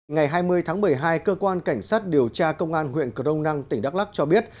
ngày hai mươi tháng một mươi hai cơ quan cảnh sát điều tra công an huyện crong năng tỉnh đắk lắc cho biết